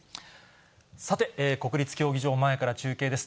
さて、国立競技場前から中継です。